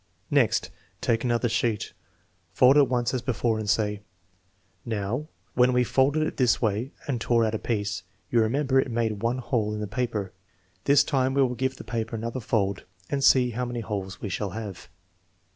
Next, take another sheet, fold it once as before and say: "Now, when we folded it this way and tore out a piece, you remember it made one hole in the paper. This time we will give the paper another fold and see how many holes we shall have.'